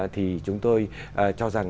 thì chúng tôi cho rằng